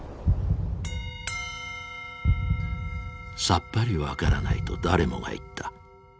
さっぱり分からないと誰もが言った。